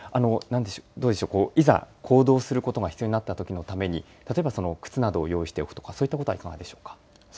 どうでしょう、いざ行動することが必要になったときのために例えば靴などを用意しておくとかそういったことはいかがでしょうか。